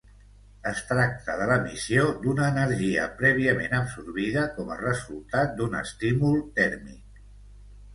Es tracta de l'emissió d'una energia prèviament absorbida com a resultat d'un estímul tèrmic.